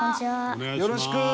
よろしく！